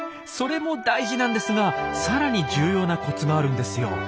それも大事なんですがさらに重要なコツがあるんですよ。